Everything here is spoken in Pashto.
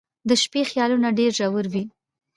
• د شپې خیالونه ډېر ژور وي.